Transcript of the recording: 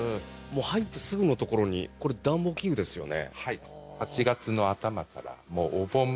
入ってすぐのところにこれ、暖房器具ですよね。